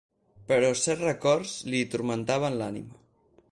Però certs records li turmentaven l'ànima.